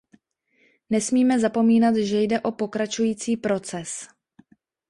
Nesmíme zapomínat, že jde o pokračující proces.